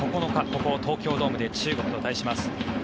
ここ、東京ドームで中国と対します。